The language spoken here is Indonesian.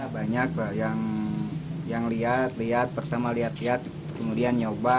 banyak yang lihat lihat pertama lihat lihat kemudian nyoba